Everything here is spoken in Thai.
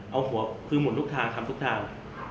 เอาหัวคือหมุนทุกทางทำทุกทาง